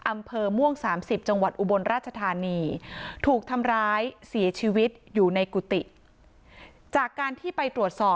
อำเภอม่วง๓๐จังหวัดอุบลราชธานี